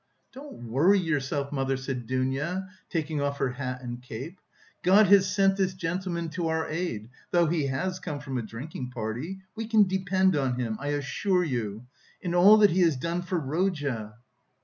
"Don't worry yourself, mother," said Dounia, taking off her hat and cape. "God has sent this gentleman to our aid, though he has come from a drinking party. We can depend on him, I assure you. And all that he has done for Rodya...."